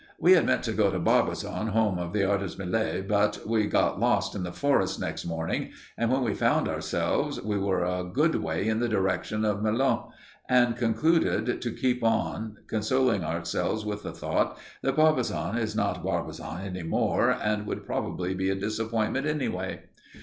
We had meant to go to Barbizon, home of the artist Millet, but we got lost in the forest next morning, and when we found ourselves, we were a good way in the direction of Melun and concluded to keep on, consoling ourselves with the thought that Barbizon is not Barbizon any more, and would probably be a disappointment, anyway.